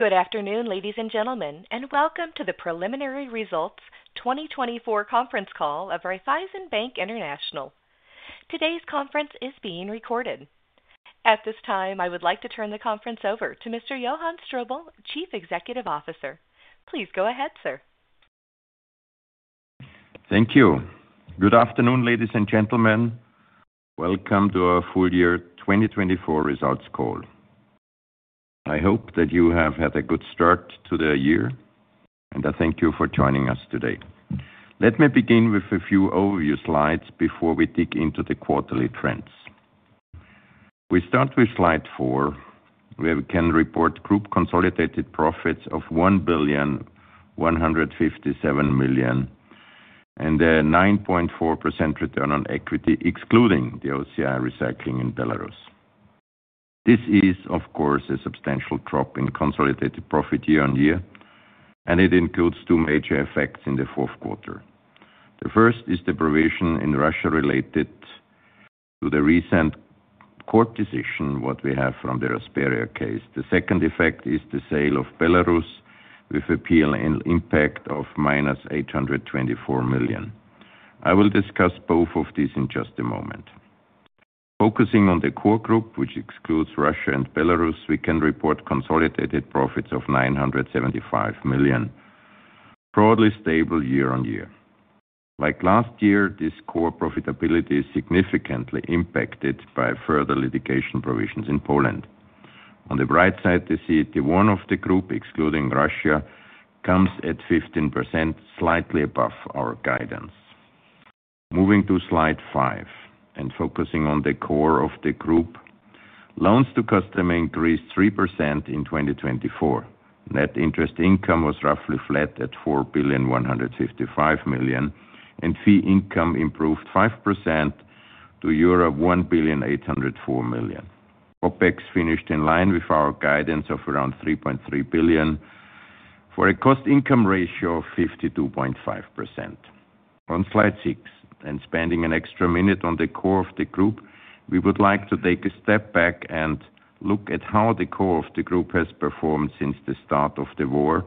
Good afternoon, ladies and gentlemen, and Welcome to the preliminary results 2024 conference call of Raiffeisen Bank International. Today's conference is being recorded. At this time, I would like to turn the conference over to Mr. Johann Strobl, Chief Executive Officer. Please go ahead, sir. Thank you. Good afternoon, ladies and gentlemen. Welcome to our full year 2024 results call. I hope that you have had a good start to the year, and I thank you for joining us today. Let me begin with a few overview slides before we dig into the quarterly trends. We start with slide four, where we can report group consolidated profits of 1.157 billion and a 9.4% return on equity excluding the OCI recycling in Belarus. This is, of course, a substantial drop in consolidated profit year on year, and it includes two major effects in the fourth quarter. The first is the provision in Russia related to the recent court decision, what we have from the Rasperia case. The second effect is the sale of Belarus with a P&L impact of -824 million. I will discuss both of these in just a moment. Focusing on the core group, which excludes Russia and Belarus, we can report consolidated profits of 975 million, broadly stable year on year. Like last year, this core profitability is significantly impacted by further litigation provisions in Poland. On the right side, the CET1 of the group, excluding Russia, comes at 15%, slightly above our guidance. Moving to slide five and focusing on the core of the group, loans to customers increased 3% in 2024. Net interest income was roughly flat at 4.155 billion, and fee income improved 5% to a year of euro 1.804 billion. OpEx finished in line with our guidance of around 3.3 billion for a cost income ratio of 52.5%. On slide six, and spending an extra minute on the core of the group, we would like to take a step back and look at how the core of the group has performed since the start of the war,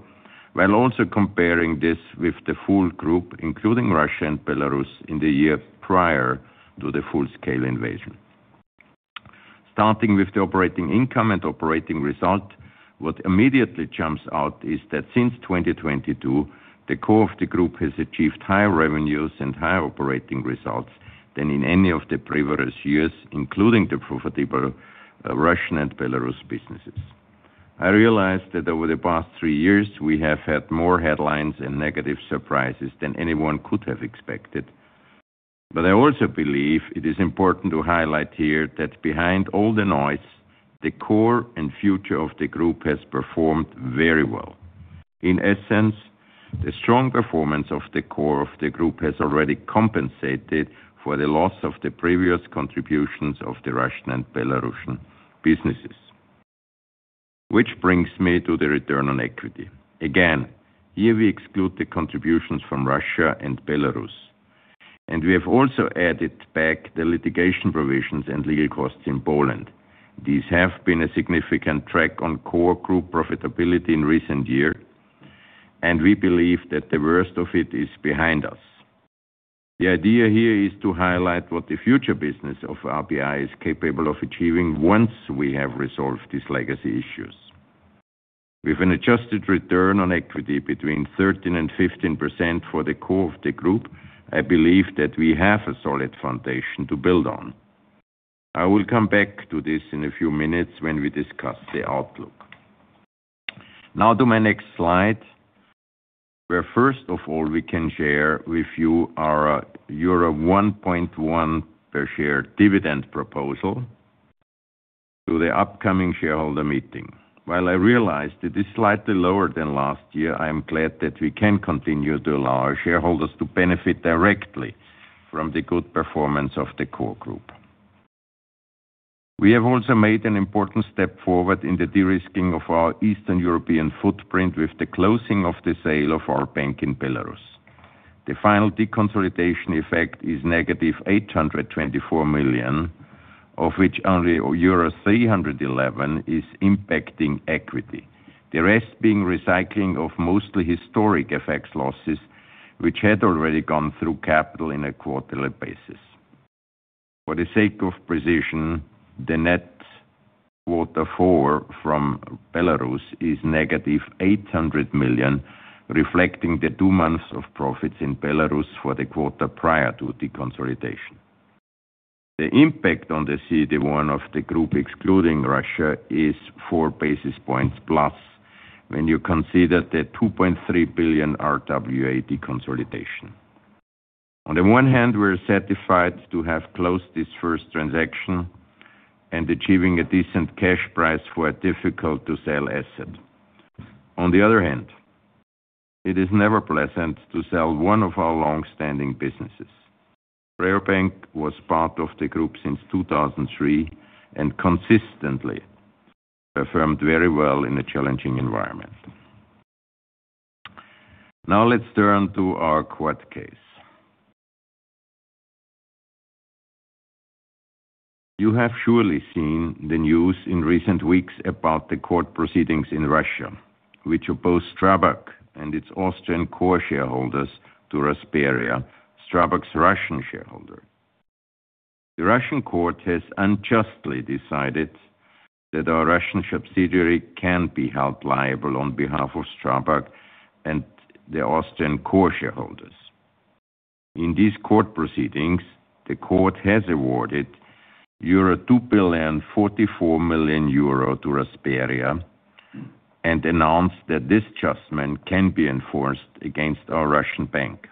while also comparing this with the full group, including Russian and Belarus, in the year prior to the full-scale invasion. Starting with the operating income and operating result, what immediately jumps out is that since 2022, the core of the group has achieved higher revenues and higher operating results than in any of the previous years, including the profitable Russian and Belarus businesses. I realize that over the past three years, we have had more headlines and negative surprises than anyone could have expected, but I also believe it is important to highlight here that behind all the noise, the core and future of the group has performed very well. In essence, the strong performance of the core of the group has already compensated for the loss of the previous contributions of the Russian and Belarusian businesses, which brings me to the return on equity. Again, here we exclude the contributions from Russia and Belarus, and we have also added back the litigation provisions and legal costs in Poland. These have been a significant drag on core group profitability in recent years, and we believe that the worst of it is behind us. The idea here is to highlight what the future business of RBI is capable of achieving once we have resolved these legacy issues. With an adjusted return on equity between 13% and 15% for the core of the group, I believe that we have a solid foundation to build on. I will come back to this in a few minutes when we discuss the outlook. Now to my next slide, where first of all we can share with you our euro 1.1 per share dividend proposal to the upcoming shareholder meeting. While I realize it is slightly lower than last year, I am glad that we can continue to allow our shareholders to benefit directly from the good performance of the core group. We have also made an important step forward in the de-risking of our Eastern European footprint with the closing of the sale of our bank in Belarus. The final deconsolidation effect is -824 million, of which only euro 311 million is impacting equity, the rest being recycling of mostly historic FX losses, which had already gone through capital on a quarterly basis. For the sake of precision, the net quarter four from Belarus is -800 million, reflecting the two months of profits in Belarus for the quarter prior to deconsolidation. The impact on the CET1 of the group, excluding Russia, is 4 basis points plus when you consider the 2.3 billion RWA deconsolidation. On the one hand, we are satisfied to have closed this first transaction and achieving a decent cash price for a difficult-to-sell asset. On the other hand, it is never pleasant to sell one of our long-standing businesses. Raiffeisen Bank was part of the group since 2003 and consistently performed very well in a challenging environment. Now let's turn to our court case. You have surely seen the news in recent weeks about the court proceedings in Russia, which opposed STRABAG and its Austrian core shareholders to Rasperia, STRABAG's Russian shareholder. The Russian court has unjustly decided that our Russian subsidiary can't be held liable on behalf of STRABAG and the Austrian core shareholders. In these court proceedings, the court has awarded 2,044,000,000 euro to Rasperia and announced that this judgment can be enforced against our Russian bank.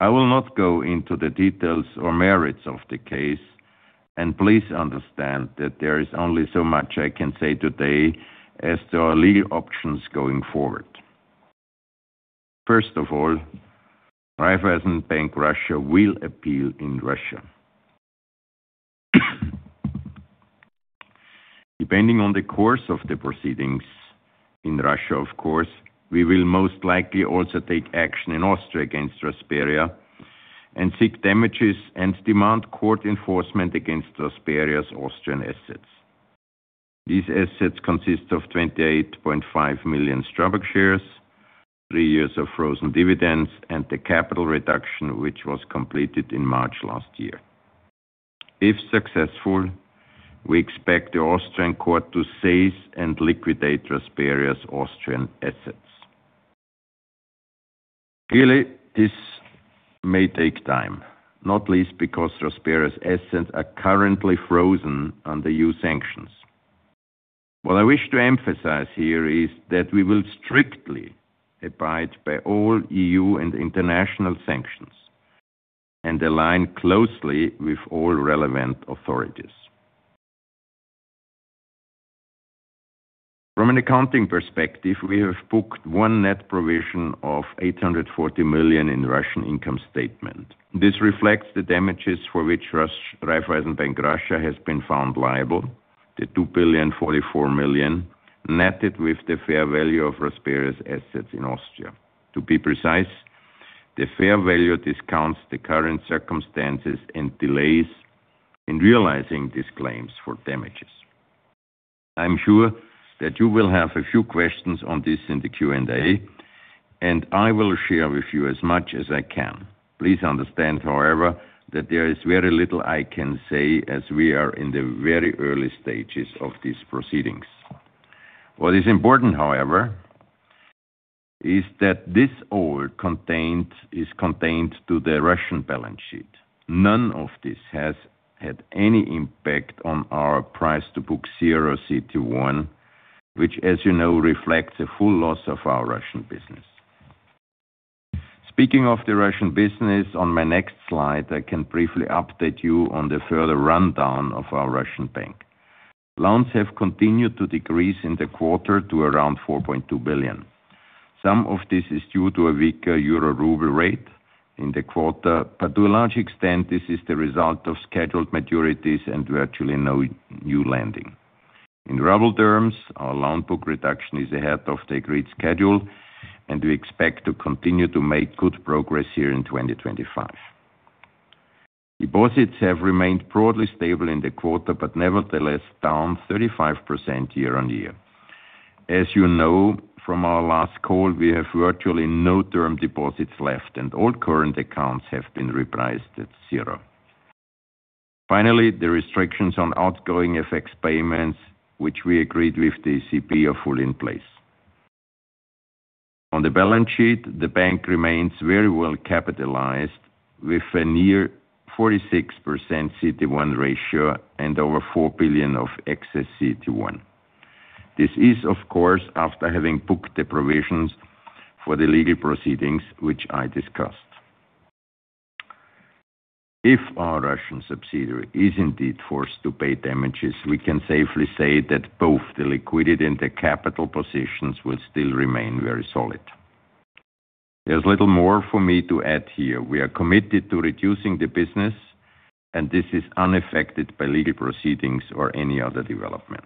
I will not go into the details or merits of the case, and please understand that there is only so much I can say today as to our legal options going forward. First of all, Raiffeisen Bank Russia will appeal in Russia. Depending on the course of the proceedings in Russia, of course, we will most likely also take action in Austria against Rasperia and seek damages and demand court enforcement against Rasperia's Austrian assets. These assets consist of 28.5 million STRABAG shares, three years of frozen dividends, and the capital reduction, which was completed in March last year. If successful, we expect the Austrian court to seize and liquidate Rasperia's Austrian assets. Clearly, this may take time, not least because Rasperia's assets are currently frozen under EU sanctions. What I wish to emphasize here is that we will strictly abide by all EU and international sanctions and align closely with all relevant authorities. From an accounting perspective, we have booked one net provision of 840,000,000 in Russian income statement. This reflects the damages for which Raiffeisen Bank Russia has been found liable, the 2,044,000,000 netted with the fair value of Rasperia's assets in Austria. To be precise, the fair value discounts the current circumstances and delays in realizing these claims for damages. I'm sure that you will have a few questions on this in the Q&A, and I will share with you as much as I can. Please understand, however, that there is very little I can say as we are in the very early stages of these proceedings. What is important, however, is that this all is contained to the Russian balance sheet. None of this has had any impact on our price to book zero CET1, which, as you know, reflects a full loss of our Russian business. Speaking of the Russian business, on my next slide, I can briefly update you on the further rundown of our Russian bank. Loans have continued to decrease in the quarter to around 4.2 billion. Some of this is due to a weaker euro ruble rate in the quarter, but to a large extent, this is the result of scheduled maturities and virtually no new lending. In ruble terms, our loan book reduction is ahead of the agreed schedule, and we expect to continue to make good progress here in 2025. Deposits have remained broadly stable in the quarter, but nevertheless down 35% year on year. As you know from our last call, we have virtually no term deposits left, and all current accounts have been repriced at zero. Finally, the restrictions on outgoing FX payments, which we agreed with the ECB, are fully in place. On the balance sheet, the bank remains very well capitalized with a near 46% CET1 ratio and over 4 billion of excess CET1. This is, of course, after having booked the provisions for the legal proceedings, which I discussed. If our Russian subsidiary is indeed forced to pay damages, we can safely say that both the liquidity and the capital positions will still remain very solid. There's little more for me to add here. We are committed to reducing the business, and this is unaffected by legal proceedings or any other development.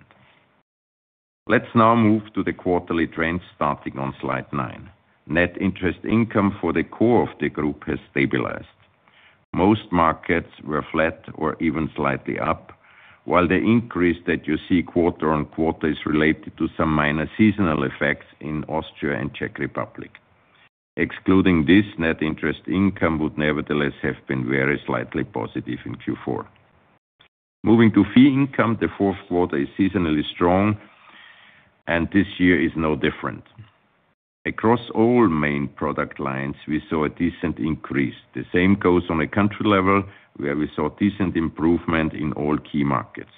Let's now move to the quarterly trends starting on slide nine. Net interest income for the core of the group has stabilized. Most markets were flat or even slightly up, while the increase that you see quarter on quarter is related to some minor seasonal effects in Austria and Czech Republic. Excluding this, net interest income would nevertheless have been very slightly positive in Q4. Moving to fee income, the fourth quarter is seasonally strong, and this year is no different. Across all main product lines, we saw a decent increase. The same goes on a country level, where we saw decent improvement in all key markets.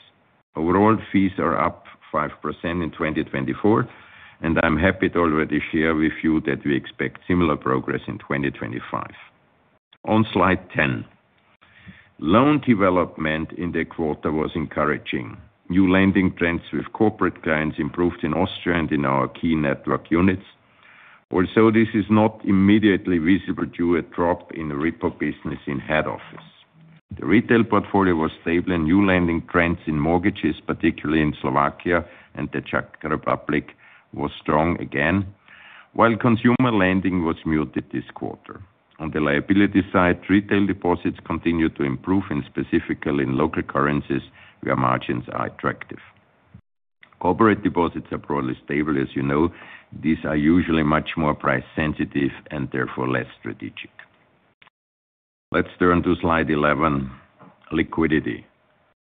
Overall, fees are up 5% in 2024, and I'm happy to already share with you that we expect similar progress in 2025. On slide 10, loan development in the quarter was encouraging. New lending trends with corporate clients improved in Austria and in our key network units, although this is not immediately visible due to a drop in repo business in head office. The retail portfolio was stable, and new lending trends in mortgages, particularly in Slovakia and the Czech Republic, were strong again, while consumer lending was muted this quarter. On the liability side, retail deposits continued to improve, and specifically in local currencies, where margins are attractive. Corporate deposits are broadly stable, as you know. These are usually much more price-sensitive and therefore less strategic. Let's turn to slide eleven, liquidity.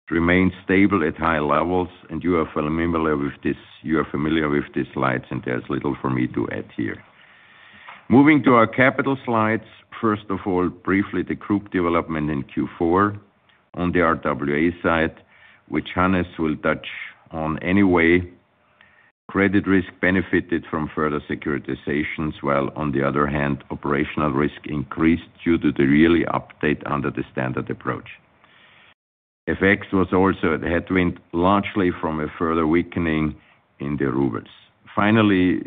It remains stable at high levels, and you are familiar with this. You are familiar with these slides, and there's little for me to add here. Moving to our capital slides, first of all, briefly the group development in Q4 on the RWA side, which Hannes will touch on anyway. Credit risk benefited from further securitizations, while on the other hand, operational risk increased due to the yearly update under the standard approach. FX was also a headwind, largely from a further weakening in the rubles. Finally,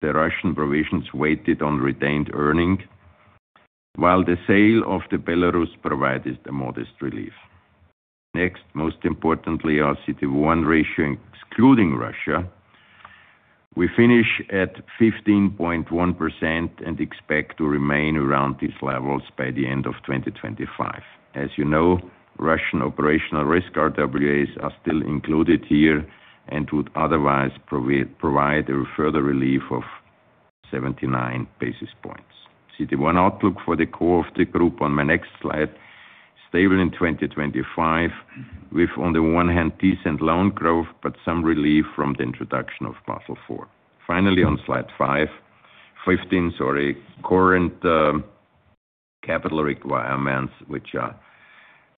the Russian provisions weighed on retained earnings, while the sale of the Belarus provided a modest relief. Next, most importantly, our CET1 ratio excluding Russia, we finish at 15.1% and expect to remain around these levels by the end of 2025. As you know, Russian operational risk RWAs are still included here and would otherwise provide a further relief of 79 basis points. CET1 outlook for the core of the group on my next slide, stable in 2025, with on the one hand decent loan growth, but some relief from the introduction of Basel IV. Finally, on slide fifteen, current capital requirements, which are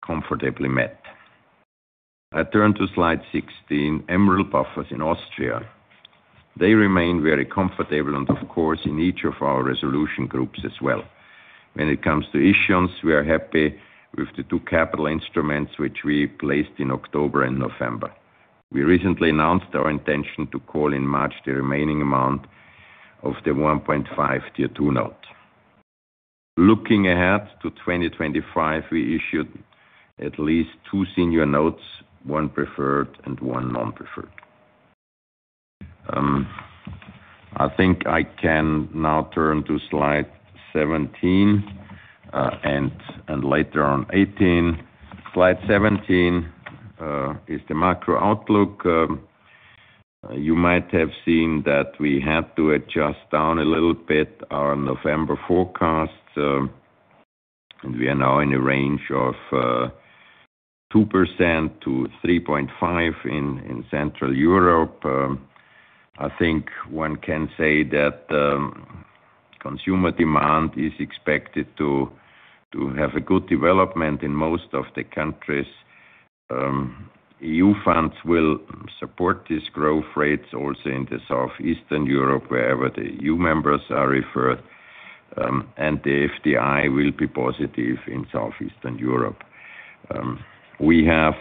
comfortably met. I turn to slide sixteen, MREL Buffers in Austria. They remain very comfortable and, of course, in each of our resolution groups as well. When it comes to issuance, we are happy with the two capital instruments which we placed in October and November. We recently announced our intention to call in March the remaining amount of the 1.5 Tier 2 note. Looking ahead to 2025, we issued at least two senior notes, one preferred and one non-preferred. I think I can now turn to slide seventeen and later on eighteen. Slide seventeen is the macro outlook. You might have seen that we had to adjust down a little bit our November forecasts, and we are now in a range of 2%-3.5% in Central Europe. I think one can say that consumer demand is expected to have a good development in most of the countries. EU funds will support these growth rates also in Southeastern Europe, wherever the EU members are referred, and the FDI will be positive in Southeastern Europe. We have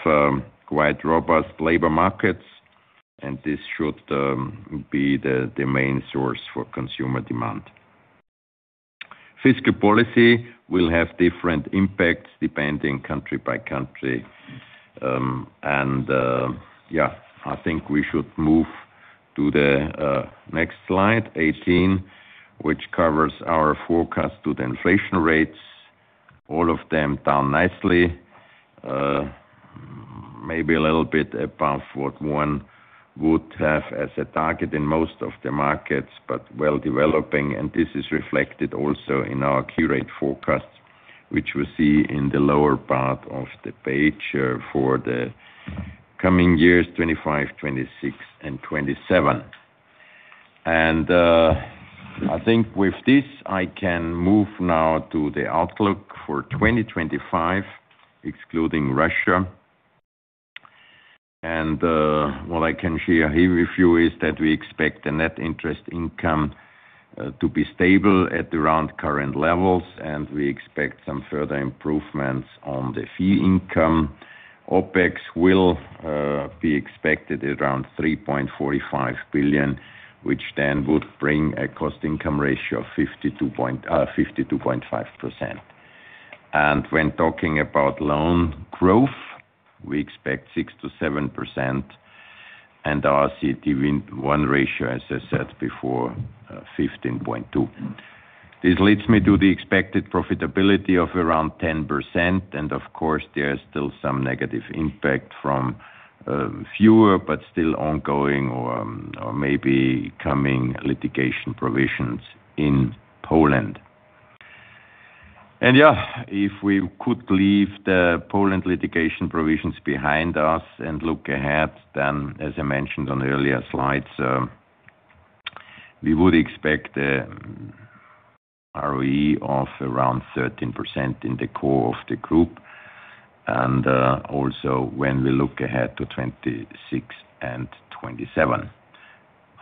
quite robust labor markets, and this should be the main source for consumer demand. Fiscal policy will have different impacts depending country by country, and yeah, I think we should move to the next slide, 18, which covers our forecast to the inflation rates, all of them down nicely, maybe a little bit above what one would have as a target in most of the markets, but well developing, and this is reflected also in our accurate forecasts, which we see in the lower part of the page for the coming years, 2025, 2026, and 2027. And I think with this, I can move now to the outlook for 2025, excluding Russia. And what I can share here with you is that we expect the net interest income to be stable at around current levels, and we expect some further improvements on the fee income. OpEx will be expected at around 3.45 billion, which then would bring a cost income ratio of 52.5%. When talking about loan growth, we expect 6%-7%, and our CET1 ratio, as I said before, 15.2. This leads me to the expected profitability of around 10%, and of course, there is still some negative impact from fewer, but still ongoing or maybe coming litigation provisions in Poland. Yeah, if we could leave the Poland litigation provisions behind us and look ahead, then, as I mentioned on earlier slides, we would expect the ROE of around 13% in the core of the group, and also when we look ahead to 2026 and 2027.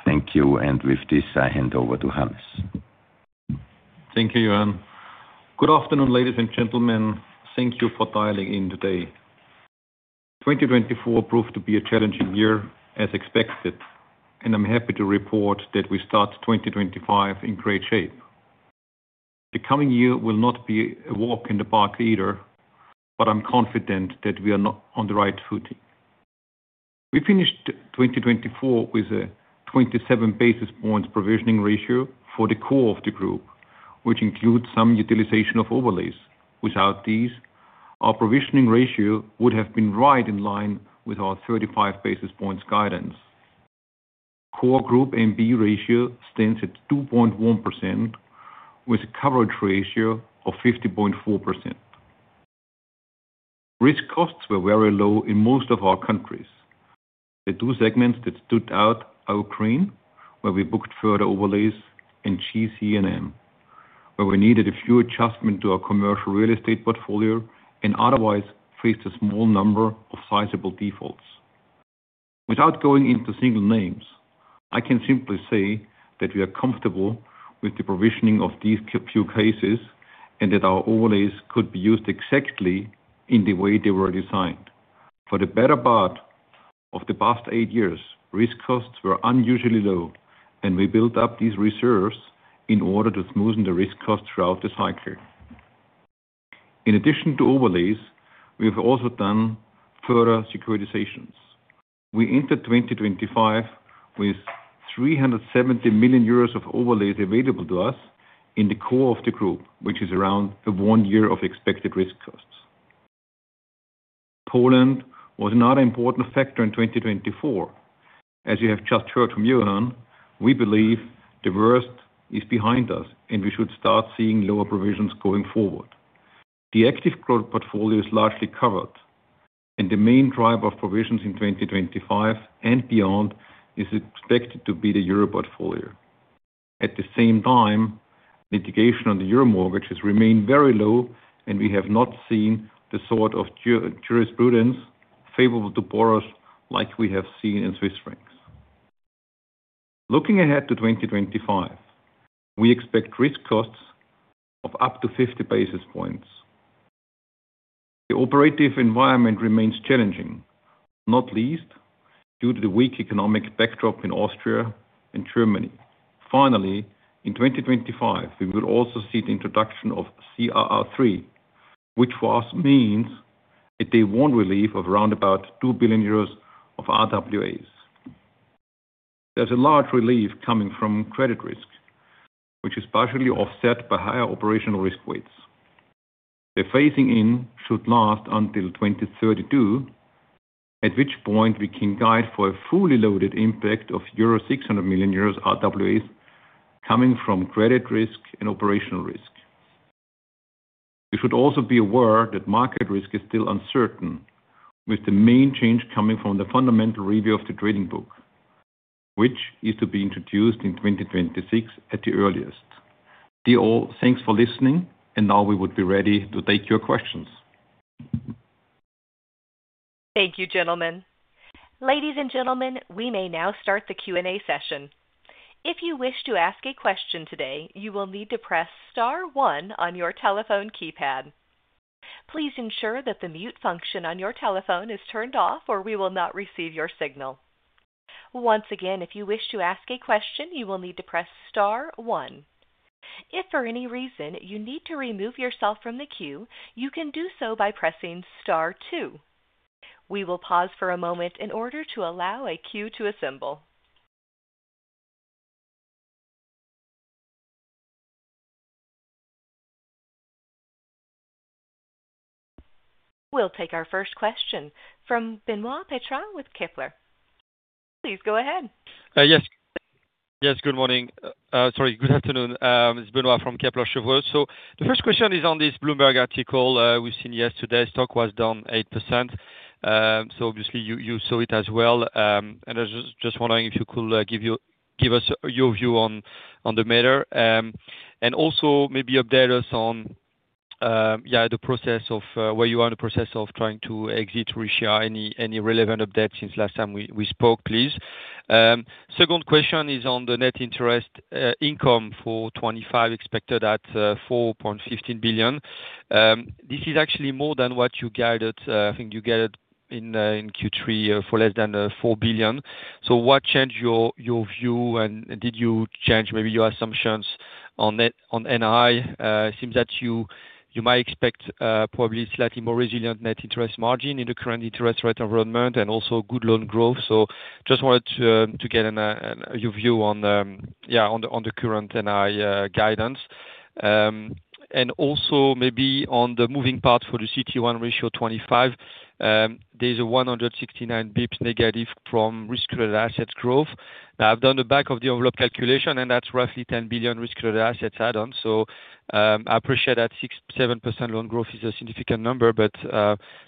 Thank you, and with this, I hand over to Hannes. Thank you, Johann. Good afternoon, ladies and gentlemen. Thank you for dialing in today. 2024 proved to be a challenging year, as expected, and I'm happy to report that we start 2025 in great shape. The coming year will not be a walk in the park either, but I'm confident that we are on the right footing. We finished 2024 with a 27 basis points provisioning ratio for the core of the group, which includes some utilization of overlays. Without these, our provisioning ratio would have been right in line with our 35 basis points guidance. Core group NPE ratio stands at 2.1%, with a coverage ratio of 50.4%. Risk costs were very low in most of our countries. The two segments that stood out are Ukraine, where we booked further overlays, and GC&M, where we needed a few adjustments to our commercial real estate portfolio and otherwise faced a small number of sizable defaults. Without going into single names, I can simply say that we are comfortable with the provisioning of these few cases and that our overlays could be used exactly in the way they were designed. For the better part of the past eight years, risk costs were unusually low, and we built up these reserves in order to smoothen the risk costs throughout the cycle. In addition to overlays, we have also done further securitizations. We entered 2025 with 370 million euros of overlays available to us in the core of the group, which is around one year of expected risk costs. Poland was another important factor in 2024. As you have just heard from Johann, we believe the worst is behind us, and we should start seeing lower provisions going forward. The active growth portfolio is largely covered, and the main driver of provisions in 2025 and beyond is expected to be the euro portfolio. At the same time, litigation on the euro mortgages remained very low, and we have not seen the sort of jurisprudence favorable to borrowers like we have seen in Swiss francs. Looking ahead to 2025, we expect risk costs of up to 50 basis points. The operative environment remains challenging, not least due to the weak economic backdrop in Austria and Germany. Finally, in 2025, we will also see the introduction of CRR3, which for us means a day one relief of around about 2 billion euros of RWAs. There's a large relief coming from credit risk, which is partially offset by higher operational risk weights. The phasing in should last until 2032, at which point we can guide for a fully loaded impact of 600 million euros RWAs coming from credit risk and operational risk. You should also be aware that market risk is still uncertain, with the main change coming from the Fundamental Review of the Trading Book, which is to be introduced in 2026 at the earliest. Thanks for listening, and now we would be ready to take your questions. Thank you, gentlemen. Ladies and gentlemen, we may now start the Q&A session. If you wish to ask a question today, you will need to press star one on your telephone keypad. Please ensure that the mute function on your telephone is turned off, or we will not receive your signal. Once again, if you wish to ask a question, you will need to press star one. If for any reason you need to remove yourself from the queue, you can do so by pressing star two. We will pause for a moment in order to allow a queue to assemble. We'll take our first question from Benoit Petrarque with Kepler. Please go ahead. Yes. Yes, good morning. Sorry, good afternoon. It's Benoit Petrarque from Kepler Cheuvreux. So the first question is on this Bloomberg article we've seen yesterday. Stock was down 8%. So obviously, you saw it as well. And I was just wondering if you could give us your view on the matter and also maybe update us on the process of where you are in the process of trying to exit Russia, any relevant updates since last time we spoke, please. Second question is on the net interest income for 2025, expected at 4.15 billion. This is actually more than what you guided. I think you guided in Q3 for less than four billion. So what changed your view, and did you change maybe your assumptions on NII? It seems that you might expect probably slightly more resilient net interest margin in the current interest rate environment and also good loan growth. So just wanted to get your view on the current NII guidance. And also maybe on the moving part for the CET1 ratio 25, there's a 169 bps negative from risk-weighted assets growth. Now, I've done the back-of-the-envelope calculation, and that's roughly 10 billion risk-weighted assets add-on. So I appreciate that 6%-7% loan growth is a significant number, but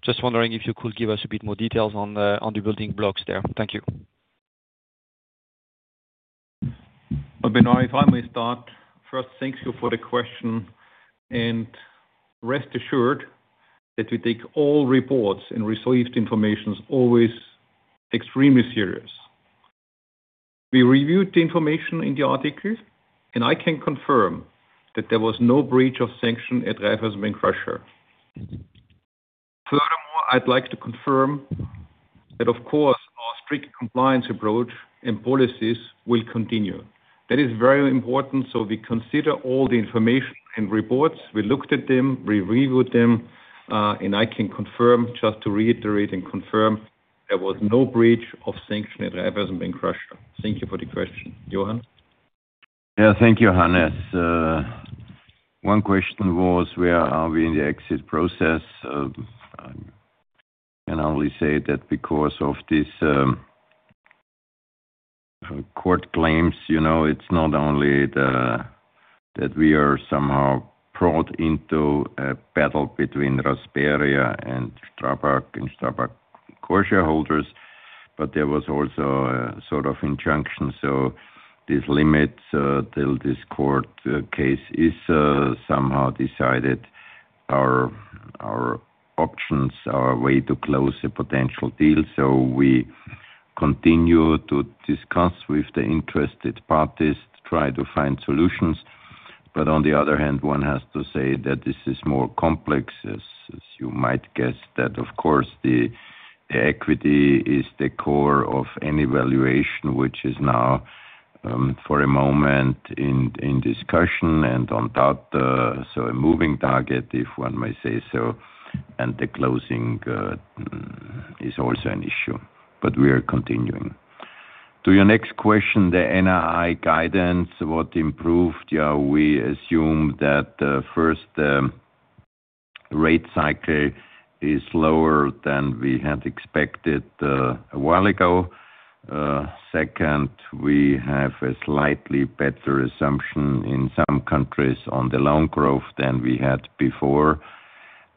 just wondering if you could give us a bit more details on the building blocks there. Thank you. Benoit, if I may start, first, thank you for the question, and rest assured that we take all reports and received information always extremely serious. We reviewed the information in the article, and I can confirm that there was no breach of sanction at Raiffeisen Bank Russia. Furthermore, I'd like to confirm that, of course, our strict compliance approach and policies will continue. That is very important, so we consider all the information and reports. We looked at them, we reviewed them, and I can confirm, just to reiterate and confirm, there was no breach of sanction at Raiffeisen Bank Russia. Thank you for the question. Johann? Yeah, thank you, Hannes. One question was, where are we in the exit process? I can only say that because of these court claims, it's not only that we are somehow brought into a battle between Rasperia and STRABAG and STRABAG core shareholders, but there was also a sort of injunction. So this limit till this court case is somehow decided our options, our way to close a potential deal. So we continue to discuss with the interested parties to try to find solutions. But on the other hand, one has to say that this is more complex, as you might guess, that, of course, the equity is the core of any valuation, which is now for a moment in discussion and on top, so a moving target, if one may say so, and the closing is also an issue. But we are continuing. To your next question, the NII guidance, what improved? Yeah, we assume that first, the rate cycle is lower than we had expected a while ago. Second, we have a slightly better assumption in some countries on the loan growth than we had before.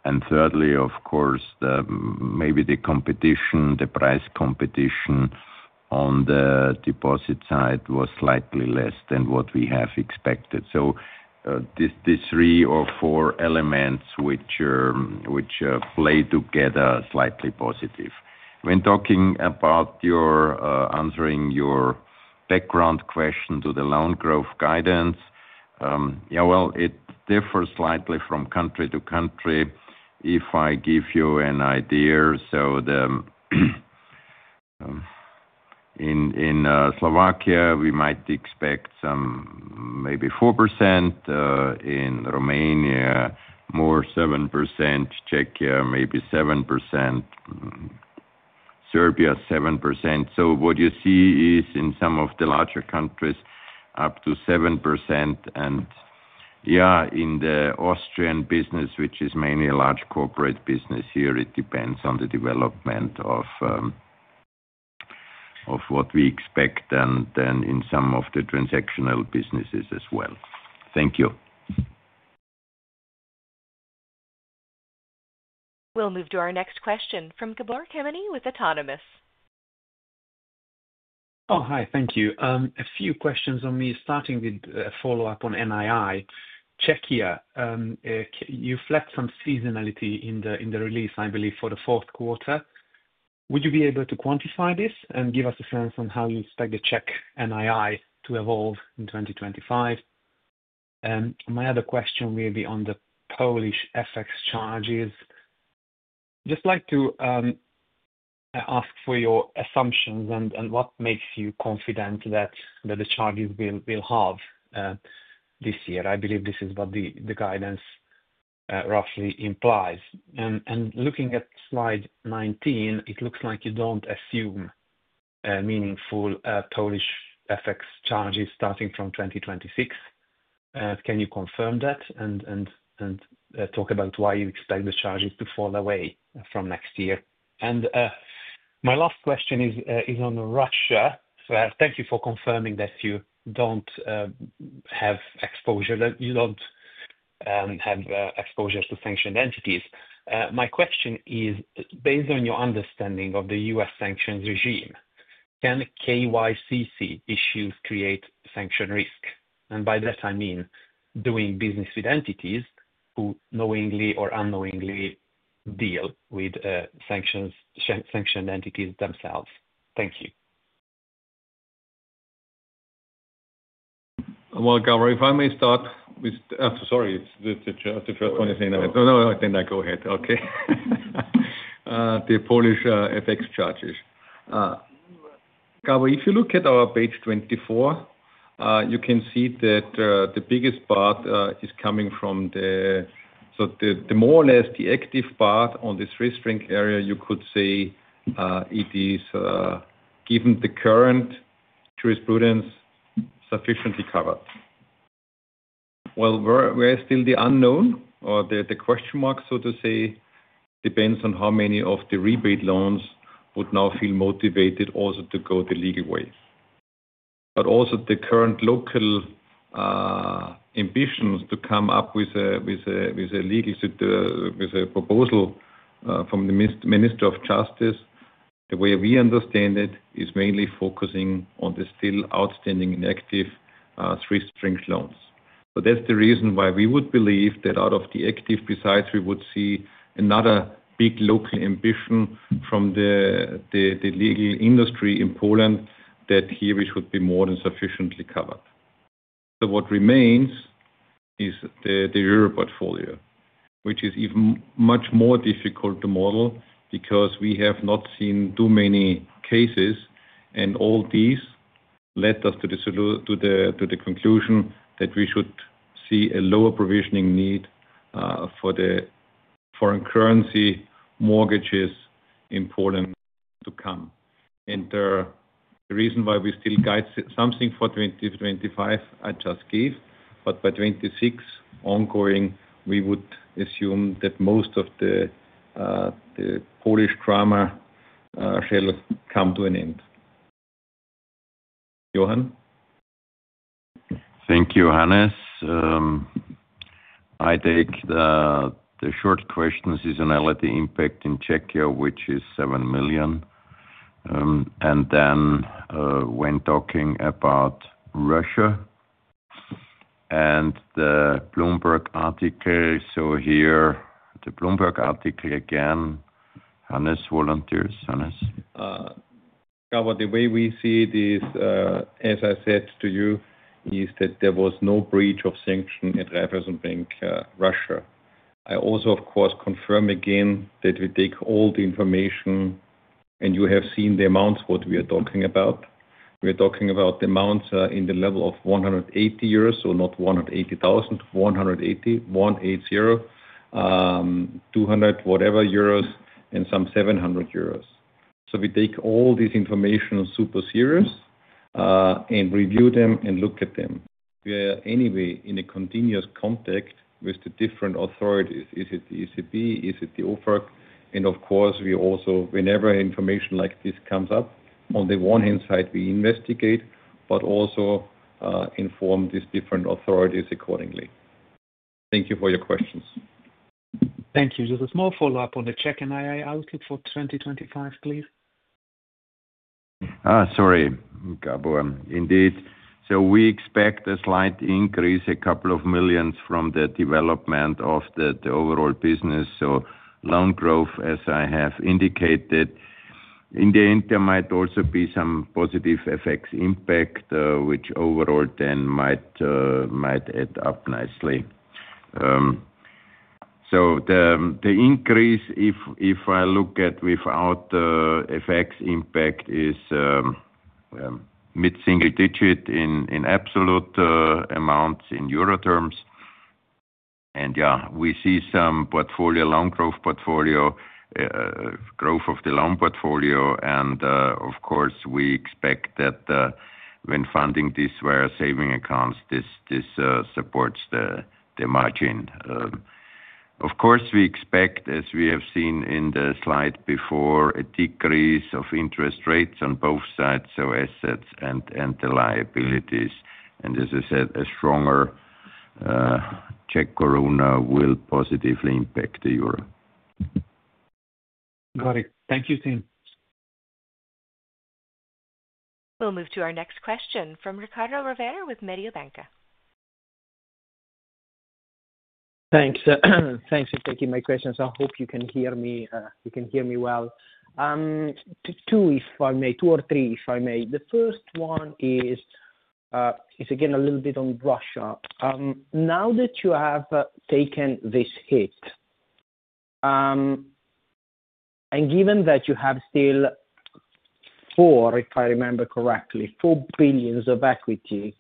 And thirdly, of course, maybe the competition, the price competition on the deposit side was slightly less than what we have expected. So these three or four elements which play together are slightly positive. When talking about answering your background question to the loan growth guidance, yeah, well, it differs slightly from country to country. If I give you an idea, so in Slovakia, we might expect maybe 4%. In Romania, more 7%. Czechia, maybe 7%. Serbia, 7%. So what you see is in some of the larger countries, up to 7%. And yeah, in the Austrian business, which is mainly a large corporate business here, it depends on the development of what we expect and then in some of the transactional businesses as well. Thank you. We'll move to our next question from Gabor Kemeny with Autonomous. Oh, hi. Thank you. A few questions from me, starting with a follow-up on NII. Czechia, you flagged some seasonality in the release, I believe, for the fourth quarter. Would you be able to quantify this and give us a sense on how you expect the Czech NII to evolve in 2025? My other question will be on the Polish FX charges. Just like to ask for your assumptions and what makes you confident that the charges will halve this year. I believe this is what the guidance roughly implies. And looking at slide 19, it looks like you don't assume meaningful Polish FX charges starting from 2026. Can you confirm that and talk about why you expect the charges to fall away from next year? And my last question is on Russia. Thank you for confirming that you don't have exposure, that you don't have exposure to sanctioned entities. My question is, based on your understanding of the U.S. sanctions regime, can KYC issues create sanction risk? And by that, I mean doing business with entities who knowingly or unknowingly deal with sanctioned entities themselves. Thank you. Well, Gabor, if I may start with, sorry, it's the first one you say now. No, no, I think I go ahead. Okay. The Polish FX charges. Gabor, if you look at our page 24, you can see that the biggest part is coming from the so more or less the active part on this restricted area. You could say it is, given the current jurisprudence, sufficiently covered. Where is still the unknown or the question mark, so to say, depends on how many of the rebate loans would now feel motivated also to go the legal way. Also the current local ambitions to come up with a legal proposal from the Minister of Justice, the way we understand it, is mainly focusing on the still outstanding and active restricted loans. That's the reason why we would believe that out of the active besides, we would see another big local ambition from the legal industry in Poland that here we should be more than sufficiently covered. What remains is the euro portfolio, which is even much more difficult to model because we have not seen too many cases, and all these led us to the conclusion that we should see a lower provisioning need for the foreign currency mortgages in Poland to come. The reason why we still guide something for 2025, I just gave, but by 2026 ongoing, we would assume that most of the Polish drama shall come to an end. Johann? Thank you, Hannes. I take the short question, seasonality impact in Czechia, which is seven million. Then when talking about Russia and the Bloomberg article, so here the Bloomberg article again, Hannes volunteers, Hannes? Gabor, the way we see it is, as I said to you, is that there was no breach of sanction at Raiffeisen Bank Russia. I also, of course, confirm again that we take all the information, and you have seen the amounts what we are talking about. We are talking about the amounts in the level of 180 euros, so not 180,000, 180, one eight zero, 200 whatever EUR, and some 700 euros. So we take all this information super serious and review them and look at them. We are anyway in a continuous contact with the different authorities. Is it the ECB? Is it the OFAC? And of course, we also, whenever information like this comes up, on the one hand side, we investigate, but also inform these different authorities accordingly. Thank you for your questions. Thank you. Just a small follow-up on the Czech NII outlook for 2025, please. Sorry, Gabor. Indeed. We expect a slight increase, a couple of millions from the development of the overall business, so loan growth, as I have indicated. In the end, there might also be some positive FX impact, which overall then might add up nicely. The increase, if I look at without FX impact, is mid-single digit in absolute amounts in euro terms. And yeah, we see some portfolio loan growth, growth of the loan portfolio, and of course, we expect that when funding this via savings accounts, this supports the margin. Of course, we expect, as we have seen in the slide before, a decrease of interest rates on both sides, so assets and the liabilities. And as I said, a stronger Czech koruna will positively impact the euro. Got it. Thank you, team. We'll move to our next question from Riccardo Rovere with Mediobanca. Thanks. Thanks. Thank you. My questions. I hope you can hear me. You can hear me well. Two, if I may. Two or three, if I may. The first one is, again, a little bit on Russia. Now that you have taken this hit, and given that you have still four, if I remember correctly, 4 billion of equity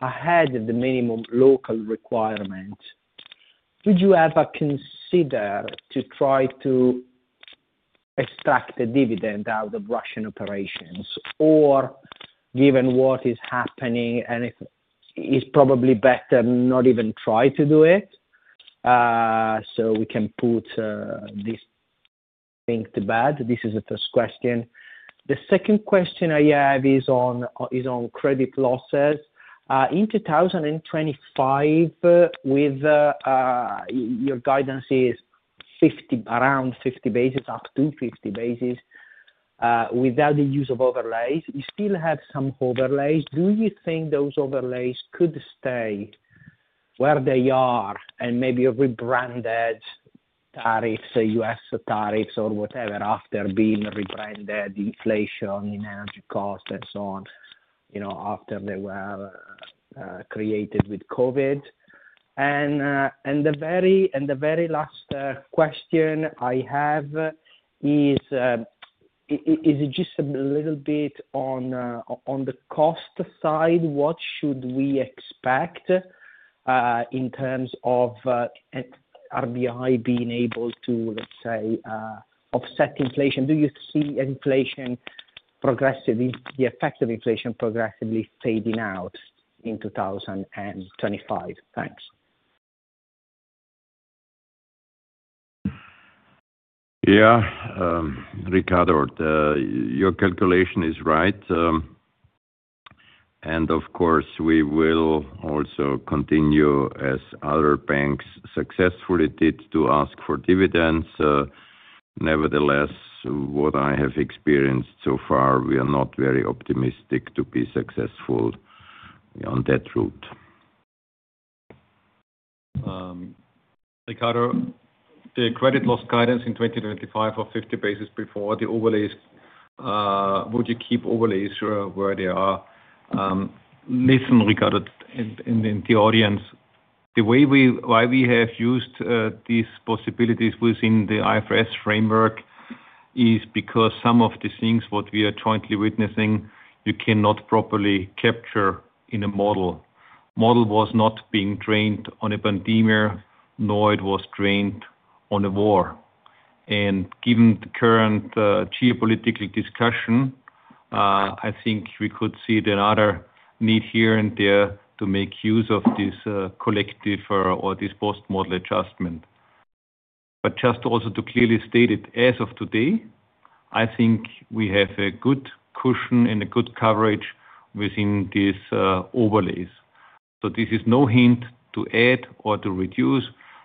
ahead of the minimum local requirement, would you ever consider to try to extract the dividend out of Russian operations? Or given what is happening, and it's probably better not even try to do it, so we can put this thing to bed. This is the first question. The second question I have is on credit losses. In 2025, with your guidance is around 50 basis points, up to 50 basis points, without the use of overlays, you still have some overlays. Do you think those overlays could stay where they are and maybe rebranded tariffs, U.S. tariffs or whatever, after being rebranded, inflation in energy costs and so on, after they were created with COVID? And the very last question I have is, is it just a little bit on the cost side? What should we expect in terms of RBI being able to, let's say, offset inflation? Do you see inflation progressively, the effect of inflation progressively fading out in two 2025? Thanks. Yeah, Riccardo, your calculation is right. And of course, we will also continue as other banks successfully did to ask for dividends. Nevertheless, what I have experienced so far, we are not very optimistic to be successful on that route. Riccardo, the credit loss guidance in 2025 of 50 basis before the overlays, would you keep overlays where they are? Listen, Riccardo, and the audience, the way we have used these possibilities within the IFRS framework is because some of the things what we are jointly witnessing, you cannot properly capture in a model. Model was not being trained on a pandemic, nor it was trained on a war. Given the current geopolitical discussion, I think we could see another need here and there to make use of this collective or this post-model adjustment. Just also to clearly state it, as of today, I think we have a good cushion and a good coverage within these overlays. This is no hint to add or to reduce,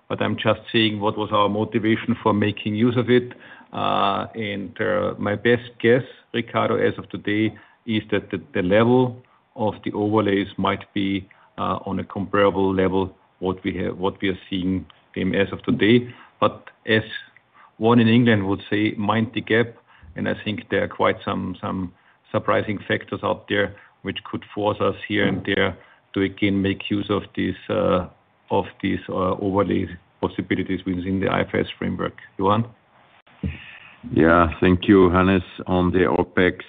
but I'm just saying what was our motivation for making use of it. My best guess, Riccardo, as of today, is that the level of the overlays might be on a comparable level what we are seeing as of today. But as one in England would say, mind the gap, and I think there are quite some surprising factors out there which could force us here and there to, again, make use of these overlay possibilities within the IFRS framework. Johann? Yeah, thank you, Hannes. On the OpEx,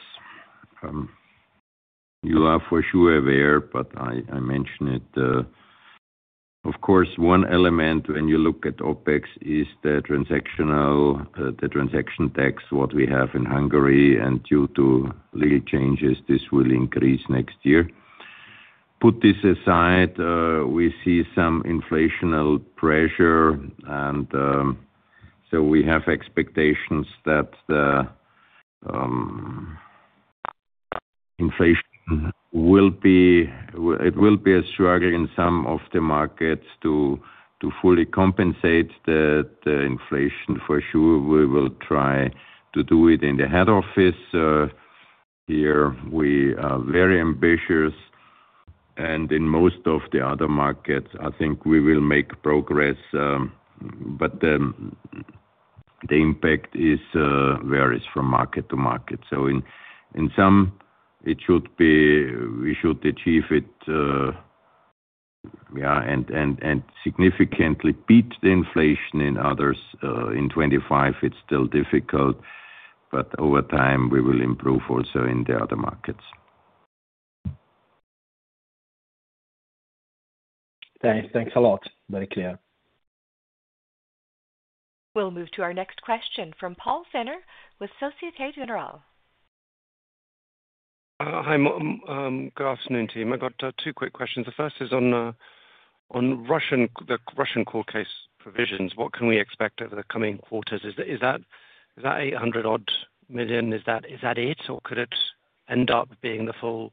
you are for sure aware, but I mentioned it. Of course, one element when you look at OpEx is the transactional tax, what we have in Hungary, and due to legal changes, this will increase next year. Put this aside, we see some inflation pressure, and so we have expectations that the inflation will be a struggle in some of the markets to fully compensate the inflation. For sure, we will try to do it in the head office. Here, we are very ambitious, and in most of the other markets, I think we will make progress, but the impact varies from market to market. So in some, it should be we should achieve it, yeah, and significantly beat the inflation. In others, in 2025, it's still difficult, but over time, we will improve also in the other markets. Thanks. Thanks a lot. Very clear. We'll move to our next question from Paul Fenner with Societe Generale. Hi, Hannes. Good afternoon, team. I got two quick questions. The first is on the Russian court case provisions. What can we expect over the coming quarters? Is that 800-odd million? Is that it, or could it end up being the full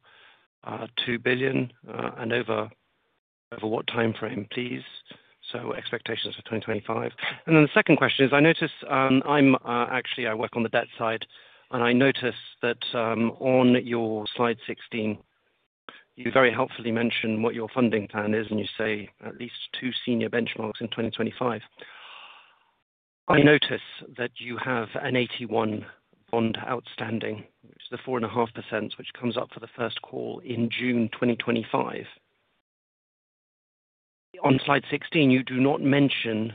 2 billion and over what time frame, please? So expectations for 2025. Then the second question is, I noticed. I'm actually. I work on the debt side, and I noticed that on your slide 16, you very helpfully mentioned what your funding plan is, and you say at least two senior benchmarks in 2025. I noticed that you have an AT1 bond outstanding, which is the 4.5%, which comes up for the first call in June 2025. On slide 16, you do not mention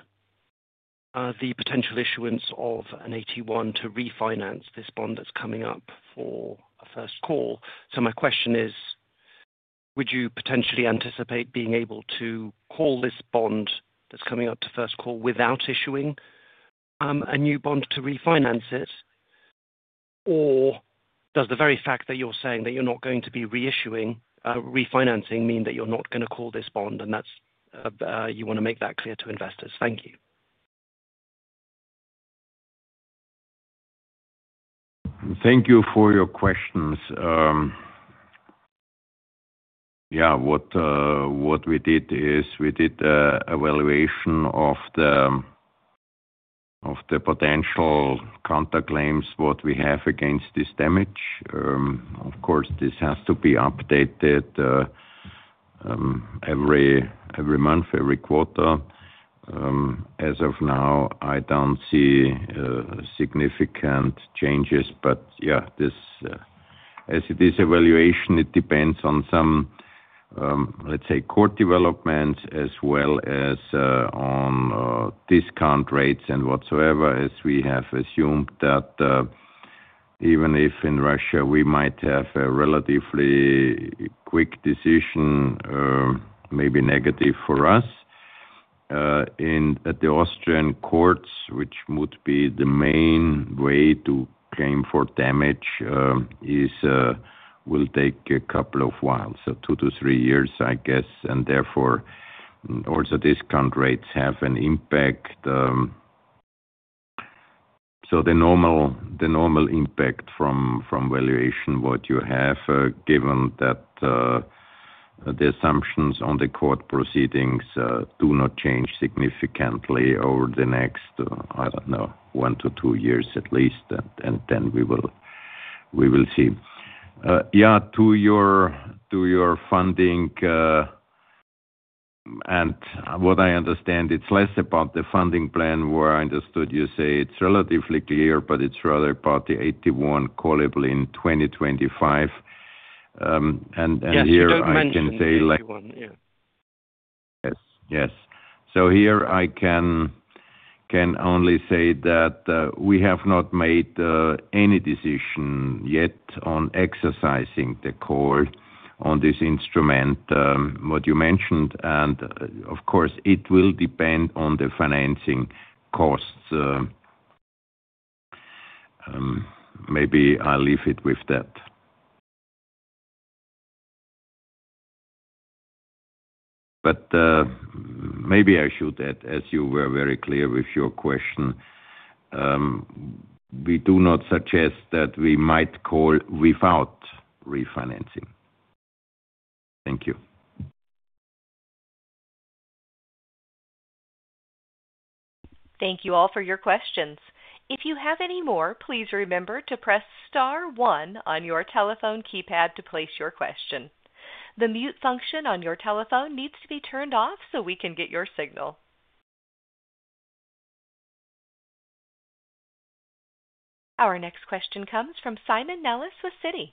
the potential issuance of an AT1 to refinance this bond that's coming up for a first call. So my question is, would you potentially anticipate being able to call this bond that's coming up to first call without issuing a new bond to refinance it, or does the very fact that you're saying that you're not going to be refinancing mean that you're not going to call this bond, and that's you want to make that clear to investors? Thank you. Thank you for your questions. Yeah, what we did is we did an evaluation of the potential counterclaims what we have against this damage. Of course, this has to be updated every month, every quarter. As of now, I don't see significant changes, but yeah, as it is evaluation, it depends on some, let's say, court developments as well as on discount rates and whatsoever as we have assumed that even if in Russia we might have a relatively quick decision, maybe negative for us. At the Austrian courts, which would be the main way to claim for damage, will take a couple of months, so two to three years, I guess, and therefore also discount rates have an impact. The normal impact from valuation what you have, given that the assumptions on the court proceedings do not change significantly over the next, I don't know, one to two years at least, and then we will see. Yeah, to your funding, and what I understand, it's less about the funding plan where I understood you say it's relatively clear, but it's rather about the AT1 callable in 2025. And here I can say. AT1, yeah. Yes. Yes. Here I can only say that we have not made any decision yet on exercising the call on this instrument what you mentioned, and of course, it will depend on the financing costs. Maybe I'll leave it with that. But maybe I should add, as you were very clear with your question, we do not suggest that we might call without refinancing. Thank you. Thank you all for your questions. If you have any more, please remember to press star one on your telephone keypad to place your question. The mute function on your telephone needs to be turned off so we can get your signal. Our next question comes from Simon Nellis with Citi.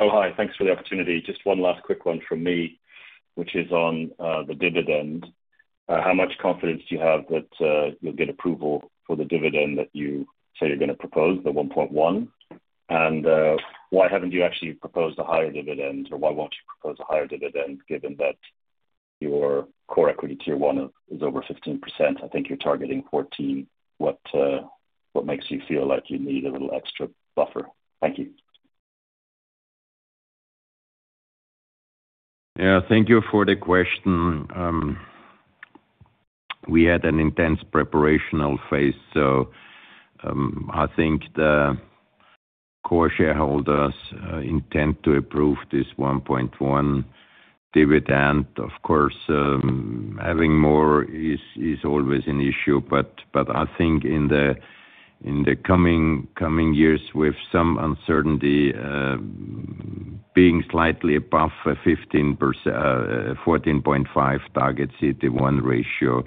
Oh, hi. Thanks for the opportunity. Just one last quick one from me, which is on the dividend. How much confidence do you have that you'll get approval for the dividend that you say you're going to propose, the 1.1? And why haven't you actually proposed a higher dividend, or why won't you propose a higher dividend given that your core equity tier one is over 15%? I think you're targeting 14. What makes you feel like you need a little extra buffer? Thank you. Yeah, thank you for the question. We had an intense preparational phase, so I think the core shareholders intend to approve this 1.1 dividend. Of course, having more is always an issue, but I think in the coming years with some uncertainty, being slightly above a 15%, 14.5 target CET1 ratio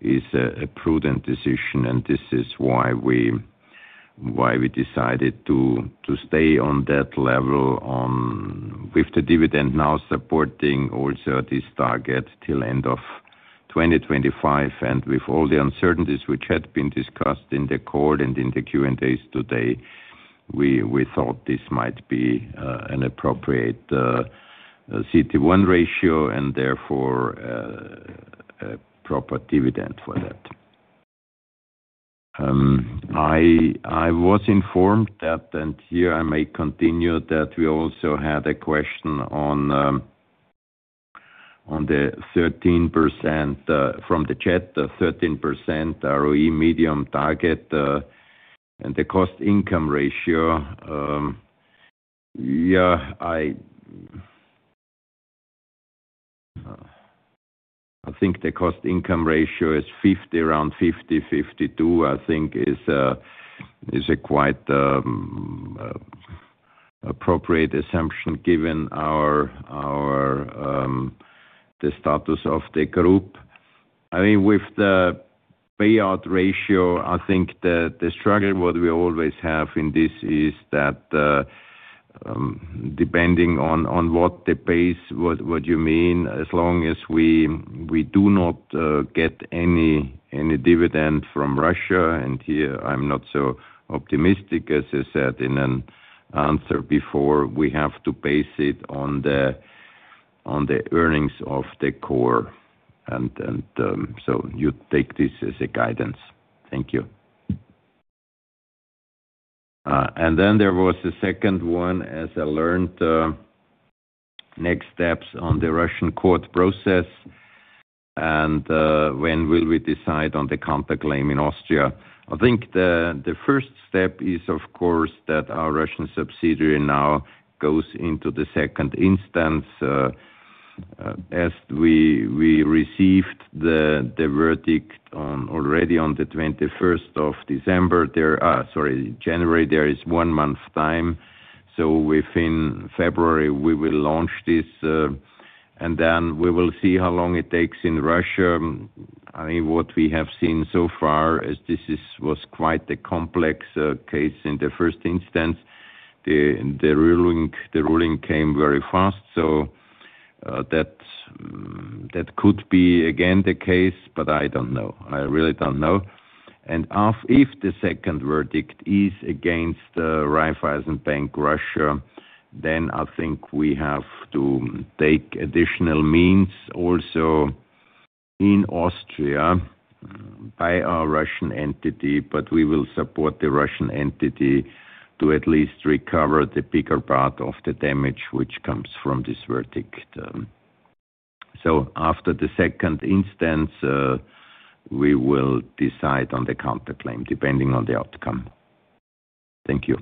is a prudent decision, and this is why we decided to stay on that level with the dividend now supporting also this target till end of 2025. With all the uncertainties which had been discussed in the court and in the Q&As today, we thought this might be an appropriate CET1 ratio and therefore a proper dividend for that. I was informed that, and here I may continue, that we also had a question on the 13% from the chat, the 13% ROE medium-term target and the cost-income ratio. Yeah, I think the cost-income ratio is 50%, around 50%-52%, I think, is a quite appropriate assumption given the status of the group. I mean, with the payout ratio, I think the struggle what we always have in this is that depending on what the base, what you mean, as long as we do not get any dividend from Russia, and here I'm not so optimistic as I said in an answer before, we have to base it on the earnings of the core, and so you take this as a guidance. Thank you, and then there was the second one, as I learned, next steps on the Russian court process, and when will we decide on the counterclaim in Austria? I think the first step is, of course, that our Russian subsidiary now goes into the second instance. As we received the verdict already on the 21st of December, sorry, January, there is one month time. So within February, we will launch this, and then we will see how long it takes in Russia. I mean, what we have seen so far is this was quite a complex case in the first instance. The ruling came very fast, so that could be again the case, but I don't know. I really don't know. And if the second verdict is against the Raiffeisenbank Russia, then I think we have to take additional means also in Austria by our Russian entity, but we will support the Russian entity to at least recover the bigger part of the damage which comes from this verdict. So after the second instance, we will decide on the counterclaim depending on the outcome. Thank you.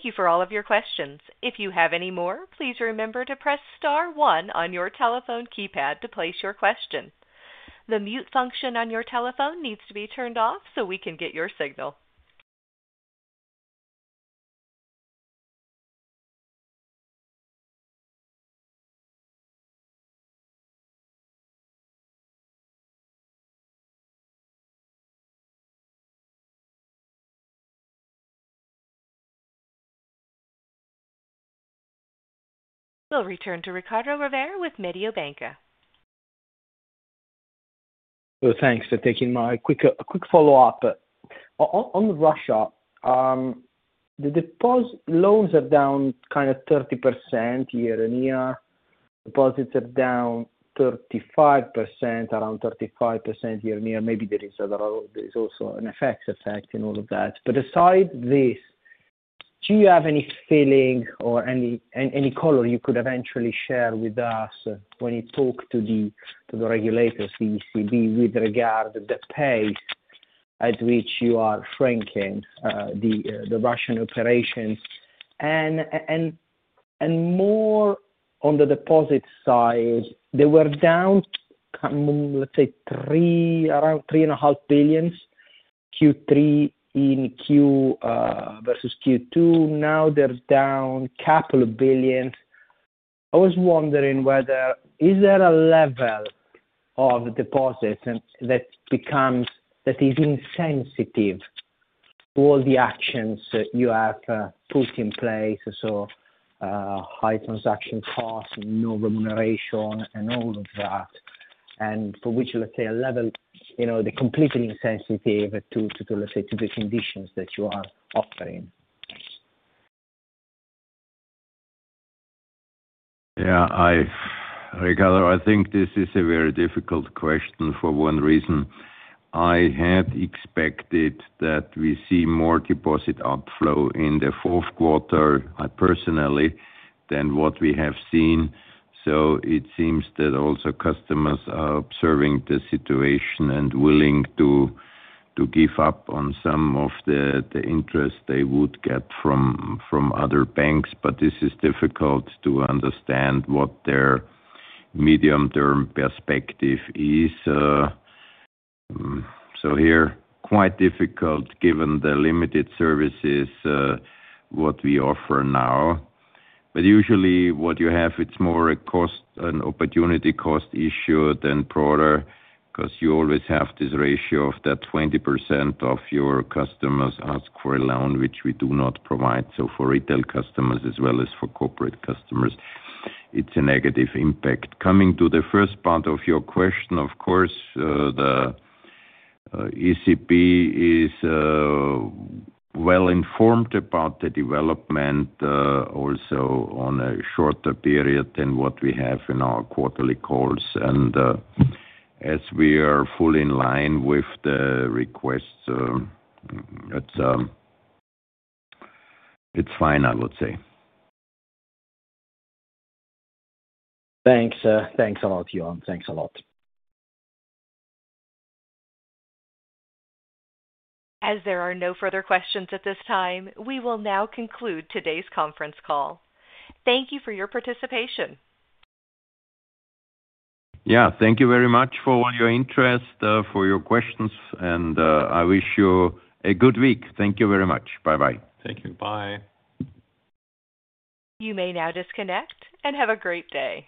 Thank you for all of your questions. If you have any more, please remember to press star one on your telephone keypad to place your question. The mute function on your telephone needs to be turned off so we can get your signal. We'll return to Riccardo Rovere with Mediobanca. Thanks for taking my quick follow-up. On Russia, the loans are down kind of 30% year on year. Deposits are down 35%, around 35% year on year. Maybe there is also an effect in all of that. But aside this, do you have any feeling or any color you could eventually share with us when you talk to the regulators, the ECB, with regard to the pace at which you are shrinking the Russian operations? More on the deposit side, they were down, let's say, around 3.5 billion, Q three versus Q two. Now they're down a couple of billion. I was wondering whether is there a level of deposits that is insensitive to all the actions you have put in place? So high transaction costs, no remuneration, and all of that, and for which, let's say, a level the completely insensitive to, let's say, to the conditions that you are offering. Yeah, Riccardo, I think this is a very difficult question for one reason. I had expected that we see more deposit outflow in the fourth quarter, personally, than what we have seen. It seems that also customers are observing the situation and willing to give up on some of the interest they would get from other banks, but this is difficult to understand what their medium-term perspective is. Here, quite difficult given the limited services what we offer now. But usually what you have, it's more a cost, an opportunity cost issue than broader because you always have this ratio of that 20% of your customers ask for a loan, which we do not provide. So for retail customers as well as for corporate customers, it's a negative impact. Coming to the first part of your question, of course, the ECB is well informed about the development also on a shorter period than what we have in our quarterly calls. And as we are fully in line with the requests, it's fine, I would say. Thanks. Thanks a lot, Johann. Thanks a lot. As there are no further questions at this time, we will now conclude today's conference call. Thank you for your participation. Yeah, thank you very much for all your interest, for your questions, and I wish you a good week. Thank you very much. Bye-bye. Thank you. Bye. You may now disconnect and have a great day.